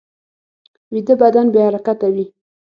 ویده بدن بې حرکته وي